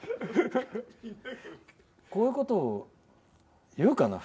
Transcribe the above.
こういうことを言うかな？